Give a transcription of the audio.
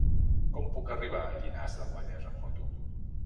Com puc arribar a Llinars del Vallès amb moto?